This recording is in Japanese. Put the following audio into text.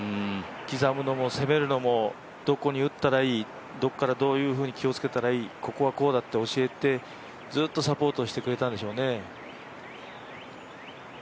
刻むのも攻めるのもどこに打ったらいい、どっからどういうふうに気をつけたらいい、ここはこうだと教えて、ずっとサポートしてくれたんでしょうね。